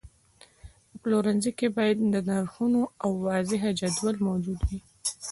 په پلورنځي کې باید د نرخونو واضحه جدول موجود وي.